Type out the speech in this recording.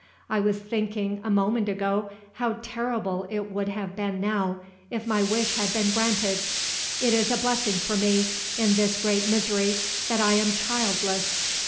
I was thinking, a moment ago, how terrible it would have been now, if my wish had been granted. It is a blessing for me, in this great misery, that I am childless.